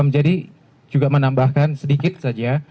jadi juga menambahkan sedikit saja